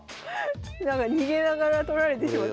逃げながら取られてしまった。